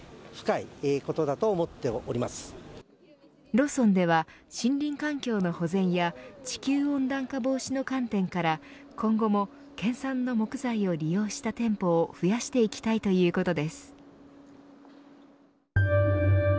ローソンでは森林環境の保全や地球温暖化防止の観点から今後も県産の木材を利用した店舗を増やしていきたいということです。